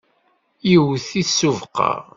yewwet-it s ubeqqa.